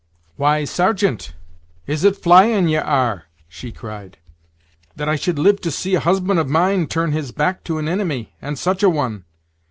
"Why, sargeant! is it flying ye are?" she cried "that I should live to see a husband of mine turn his hack to an inimy! and such a one!